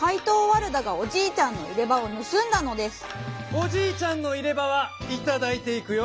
おじいちゃんの「いれば」はいただいていくよ。